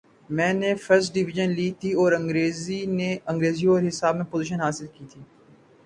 میں نے first division لی تھی اور انگریزی اور حساب میں پوزیشن حاصل کی تھی۔